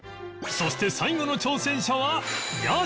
そして最後の挑戦者は屋敷